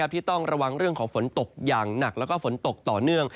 ที่ต้องระวังเรื่องของฝนตกอย่างหนักแล้วก็ฝนตกต่อเนื่อง